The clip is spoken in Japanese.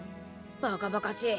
バカバカしい。